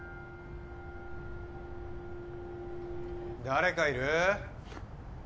誰かいる？